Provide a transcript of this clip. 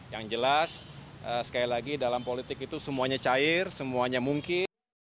yang jelas sekali lagi dalam politik itu semuanya cair semuanya mungkin